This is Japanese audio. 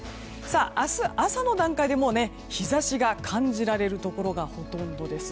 明日朝の段階で日差しが感じられるところがほとんどです。